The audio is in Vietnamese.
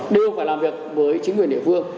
đều phải làm việc với chính quyền địa phương